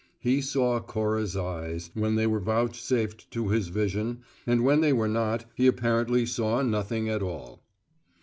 He saw Cora's eyes, when they were vouchsafed to his vision, and when they were not he apparently saw nothing at all.